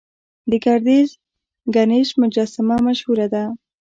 د ګردیز ګنیش مجسمه مشهوره ده